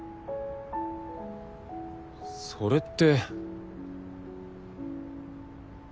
それって。